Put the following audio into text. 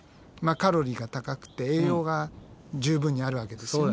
カロリーが高くて栄養が十分にあるわけですよね。